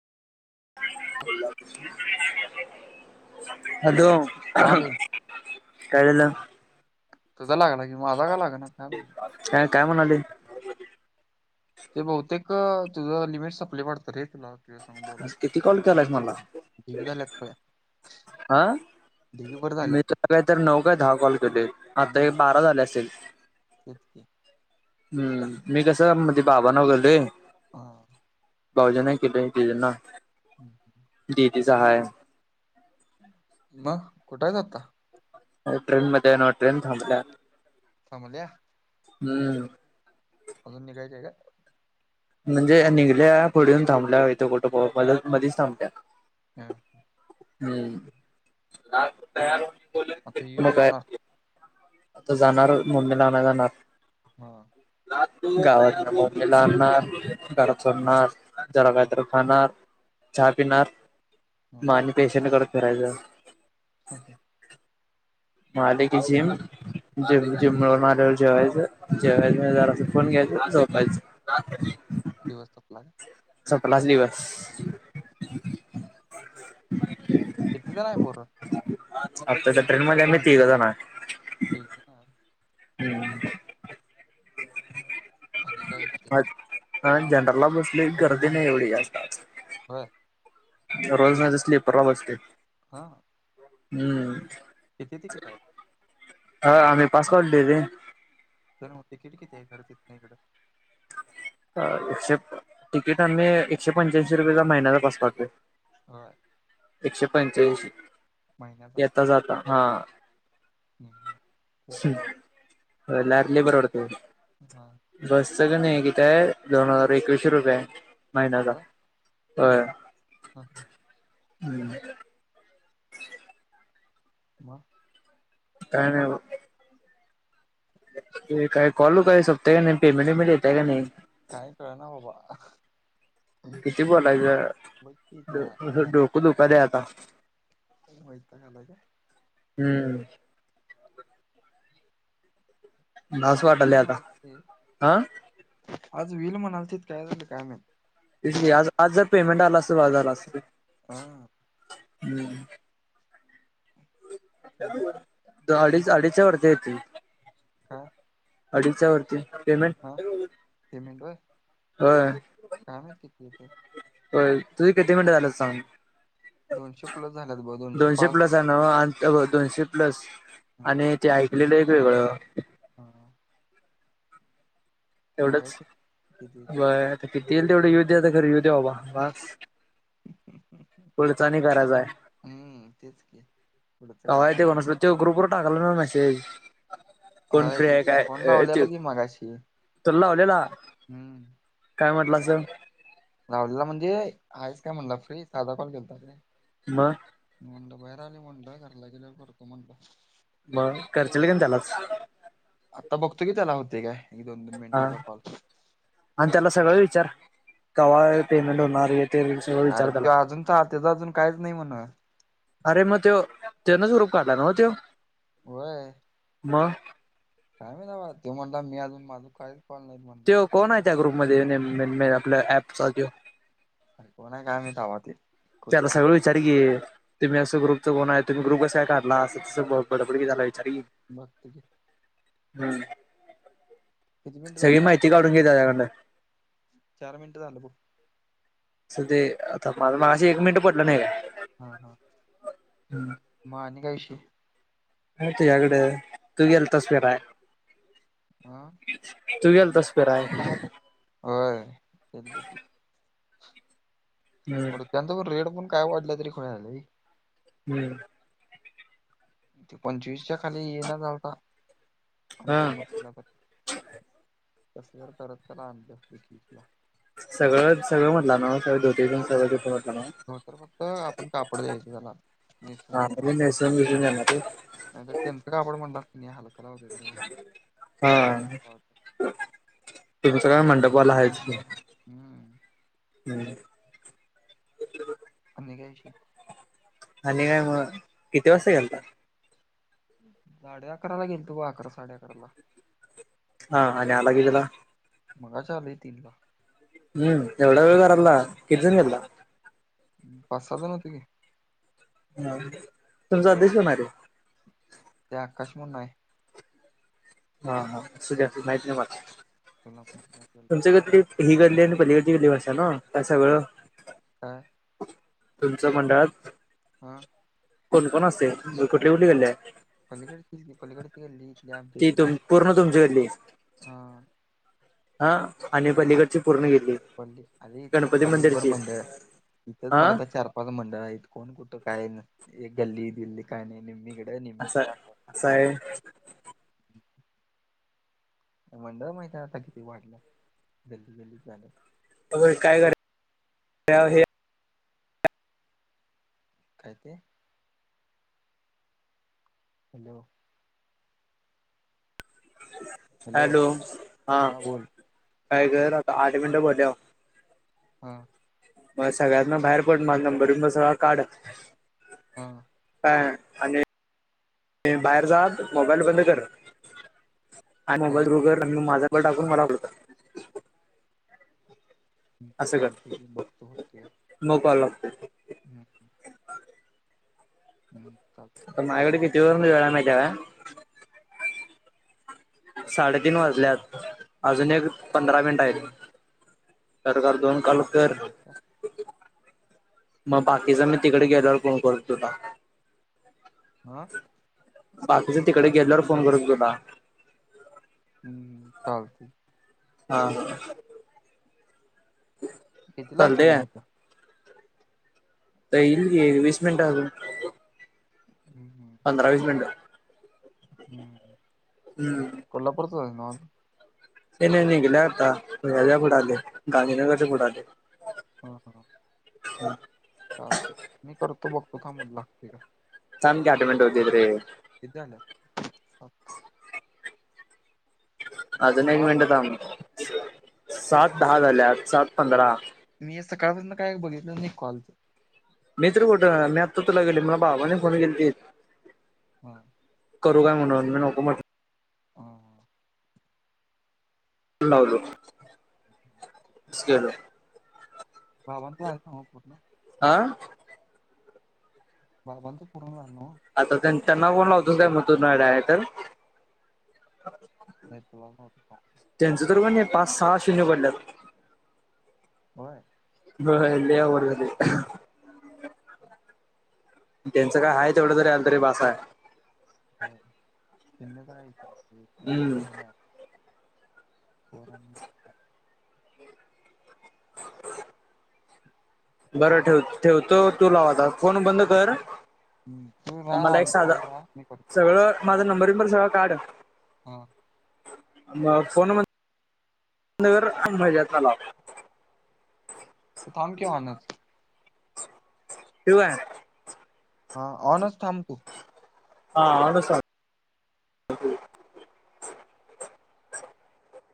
Hello. हा बोल काय झालं? तुझा लागलाय की माझा काय लागना काय म्हणते? काय काय म्हणाले? ते बहुतेक तुझं लिमिट सप्ले वाटतं रे तुला संग बोलायच. आज किती कॉल केलायस मला? ढीग झाल्यात पड्या. आं झाल्यात मी तुला इतर नऊ का दहा कॉल केले आता हे हम्म बारा झाले असेल. तेच की हम्म मी कसं मध्ये बाबा नवगले. हा. भाऊजी नाही केले ते जंना. हम्म. दीदीचा हाय. मग कुठं आहेच आता? ट्रेन मध्ये हो ना ट्रेन थांबल्या. थांबल्या हम्म. अजून निघायचंय का? म्हणजे निघल्या पुढुन थांबल्या इथे कुठं पो [unintelligible] मधीच थांबल्या. हां. हम्म. हा आता मग येऊन काय जेऊणार? आता जाणार मुंडेला नगर नाथ. हां. गावातनं मम्मीला आणणार घर सोडणार. जरा हा काहीतरी खाणार, चहा पिणार हा मा आणि पेशंटकडे फिरायचं. हा हा. म आले की जिम हा. जिम वरून आल्यावर जेवायचं. जेवायचं जरासा फोन घ्यायचा आणि झोपायचं. दिवस. [unintelligible] सपलाच लिवस [unintelligible] किती जण आहे पोरं? आताच्या ट्रेन मध्ये आम्ही तिघ जाणार. ठीक आहात. हम्म. आता काय विषेश. हा जनरलला बसलोय, गर्दी नाही एवढी जास्त. आज होय. रोज नाही. तर स्लीपरला बसतोय. हा. हम्म. किती तिकीट आहे. हा आम्ही पास काढलोय रे. तर मग तिकिट किती आहे तितन इकडं. एकशे तिकीट आम्ही एकशे पंच्याऐंशी रुपयेचा महिन्याचा पास काढतोय. होय. एकशे पंच्याऐंशी महिन्याचा येता जाता हा. हम हम मग परवडतय. व्हयं लार्री परवडतय. हा. बसच कणी किती आहे. दोन हजार एकवीसशे रुपये आहे महिन्याचा. होय होय. हा हा. हम्म. मग. काय नाही बघ. ते काय कॉल काय संपतय काय नाही. पेमेंट वेमेंट येतय का नाही. काय कळना बाबा. किती बघ की त्या बोलायचं, डोकं दुखालय आता. वैताग आला काय. हम्म. बास आज वाटालय व्हील आता. म्हणालते आज व्हील म्हणालतीत, काय झालं काय माहिती. तेच की आज आज जर पेमेंट आल असत तर आज आलं असत. हा. हम्म. हा अडीच अडीचच्या वरती आहे ती. का. अडीच्या वरती. पेमेंट हा पेमेंट व्हय, होय काय माहिती किती येतंय. होय तुझी किती मिनिटं झालेत सांग दोनशे प्लस झाल्यात बघ दोनशे पाच. गंडवा ते दोनशे प्लस हा आणि ते ऐकलेलं वेगळं. हा. तेवढंच बघायचं किती बर आता किती येईल तेवढं यु दे. आता खर येवूदे बाबा बास. पुढचा आणि करायचा आहे हम्म तेच की पुढंच करायचं. तो ग्रुपवर टाकलाय नवं मेसेज. कोण होय फ्री फोन काय लावलेला तो की मगाशी तुला लावलेला. हम्म काय म्हटला असं. लावलेला म्हणजे, आहेस काय म्हणला फ्री साधा कॉल केेलता रे. मग. म्हटल बाहेर आलोय म्हटलं, घरला गेल्यावर करतो म्हणलं. मग करचील कणी त्यालाच. आता बघतो की त्याला होतंय. काय एक दोन दोन हा मिनिटांचा कॉल. आणि त्याला सगळं विचार कवा पेमेंट होणार हे ते. सगळं विचार अरे त्याला तो अजूनच त्यांच अजून काहीच नाही म्हण. अरे मग तो त्यानंच ग्रप काढला न्हव तो. होय. मग. काय माहित बाबा तो म्हणाला मी अजून माझं काहीच कॉल नाहीत. म्हणला तो कोण आहे. त्या ग्रुपमध्ये आपल्या ऍपचा तो. कोण आहे काय माहिती बाबा ते. ते आता कुठली सगळं कुठली विचार पोरं की. तुम्ही असं ग्रुपच कोण आहे. तुम्ही ग्रुप कसं काढला अस तसं बडबड विचार की. बगतो घे. हम्म. किती मिनिटं सगळी झालं बग, माहिती काढून घे त्याच्याकडनं चार मिनिटं झालं बगं. असं ते आता माझ एक मिनिटं पडलं नाही. हा हा. मग आणि काय विषय. ह तुझ्याकडं तू गेलतास फिराय. आ. तु गेलं तास फिराय. होय केलंत की [unintelligible] हम्म त्यानंतर रेट पण काय वाढला तरी खुळया वनी. हम्म. तो पंचवीस च्या खाली इना झालता. हा [unintelligible] कसं तर करत त्याला आणलं एकवीसला. सगळं सगळं म्हटलं ना सग धोती पण सगळं तिथे म्हटला नवं. हो तर फक्त आपण कापड द्यायचं. त्याला निेसवून हा म्हणजे देणारं. नेसून बिसून जाणार ते आणि त्यांच का कापड म्हणलास कणी हाल हा. तुमचं काय मंडपवाला हायच की. हम्म. हम्. आणि काय विषय. आणि काय मग किती वाजता गेलता. साडे अकरा ला गेलतो. बग अकरा साडे अकरा ला. हा आणि आला की तिला. मगाशी आलोय तीनला. हम्म एवढा वेळ घरातला किती जण हम्म. गेलता. पाच सहा जण होतो की. ह तुमचा देेश होणार ये. ते आकाश म्हणून आहे. हा हा असूदे‌ असूदे माहिते, तुला माहित नाही असेल मला ते तुमच्या [unintelligible] हि गल्ली आणि पलीकडची गल्ली भाषा ना काय सगळं. हा. तुमच्या मंडळात. हा. कोणकोण असतंय. कुठली कुठली गल्ली ये. पलीकडची गल्ली पलीकडं गल्ली इथली आमच्या ती इथली तुम पूर्ण तुमची गल्ली हा. हा आणि हो‌ पलीकडची पूर्ण गल्ली अरे इथंच गणपती दिगभर मंदिरची मंदिर हाय. इथंच हा मला चार. मंडळ आहेत. कोण कुठ काय गल्ली दिल्ली काय नाही निम्मी हिकड निम्मी असा तिकडं असं असतं. असं आहे होय. मंडळ माहिते आता किती वाढल्यात गल्ली गल्ली झाल्यात. होय काय करा हे. काय ते, हॅलो. हॅलो हा काय कर आता आठ मिनटं म्हटल्यावर. हा. मला सगळ्यातन बाहेर पड माझा नंबर सगळां काढ. हा. काय हा आणि बाहेर जा, मोबाईल बंद कर. आणि हा मोबाईल उघड, माझा नंबर टाकून मला कॉल कर. हम्म. चालतंय की बघतो होतय कायं. नो कॉल लागतोय. हम्म हम्म. हम्म चाल आता माझ्याकड किती वरन [unintelligible] साडेतीन वाजल्यात. अजून एक पंधरा मिन टात हा बरोबर दोन कॉल आहेत का होत्यात. मग बाकीचा मी तिकडे चालते गेल्यावर फोन करतो तुला. हा. बाकीच तिकडं गेल्यावर फोन करतो तुला. हम्म चालतंय. हा हा. कितीला यायच चालतंय तुम्ही काय इथं. [unintelligible] वीस मिनिटं अजून. हम् हम्. पंधरा वीस मिनिट. हम्म. हम्म. कोल्हापूरचा हायस नवं तु. ते नाही निघलोय आता पुुढे आले गांधीनगरच्या पुुढ आलोय. हा हा. ह. चालते मी करतो. बघतो थांब लागते का. सांग ते ऑटोमॅटिक होतीत रे. किती झालं? [unintelligible] अजुन एक सात मिनट थांब. सात दहा झाले, आज सात पंधरा. मी सकाळपासनं काय बघितलंच नाही कॉलचं. मी तर कुठ मी आत्ता तुला गेलीत, मला बाबांनी फोन केलतीत. हां. करू काय म्हणून, मी नको म्हट हां हां. फोन लावला हुतो. स्केडो. बाबांचा फोन आहे सांगू का पूर्ण? आं. बाबांचे पूर्ण झालं नव्हं? आता त्यांच्याना फोन लावतोसं काय मग तू डायरेक्ट? नाही तुलाच लावतो थांब. त्यांचं तर पण का नाही, पाच सहा शून्य पडल्यात. होय. होय, लय अवघड झालंय. त्यांचं काय हाय तेवढं जरी आलं आल तरी बास हाय. हो चिन्हच राहायची, जिंकून हम्म येणार. पोरांनी [unintelligible] बरं ठेव ठेवतो तू लाव आता, फोन बंद कर हं तुम्ही मला एक साधा रहा [unintelligible] मी कट करतो. सगळं माझा नंबर बिंबर सगळा काढ. हां. मग फोन म [unintelligible] नगर [inaudible] तलाव. तु थांबकी ऑनच. ठेऊ काय? हा ऑनच थांब तु. हा ऑनच थांब.